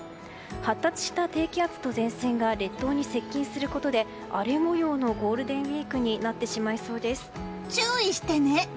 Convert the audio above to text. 発達した低気圧と前線が列島に接近することで荒れ模様のゴールデンウィークに注意してね！